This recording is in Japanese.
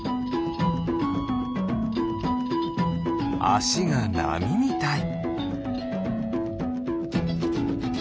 あしがなみみたい。